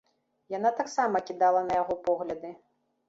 Яна таксама кідала на яго погляды.